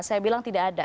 saya bilang tidak ada